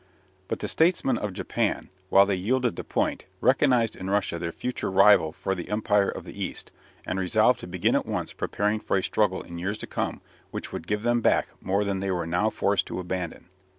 But the statesmen of Japan, while they yielded the point, recognized in Russia their future rival for the empire of the East, and resolved to begin at once preparing for a struggle in years to come which would give them back more than they were now forced to abandon.